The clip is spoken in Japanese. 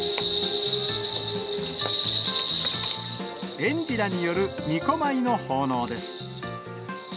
園児らによるみこ舞の奉納です。